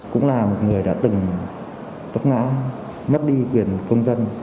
cũng là một người đã từng phất ngã mất đi quyền công dân